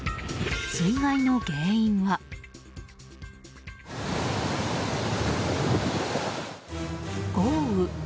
水害の原因は、豪雨。